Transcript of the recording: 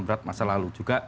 berat masa lalu juga